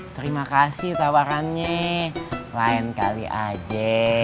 terima kasih tawarannya lain kali aja